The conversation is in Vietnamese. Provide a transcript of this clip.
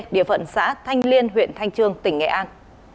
địa phận xã thanh liên huyện thanh trương tỉnh nghệ an